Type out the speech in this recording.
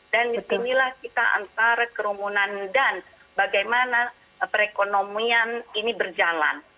dan inilah kita antara kerumunan dan bagaimana perekonomian ini berjalan